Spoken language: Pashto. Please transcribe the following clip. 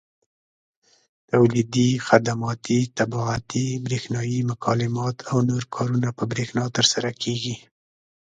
تولیدي، خدماتي، طباعتي، برېښنایي مکالمات او نور کارونه په برېښنا ترسره کېږي.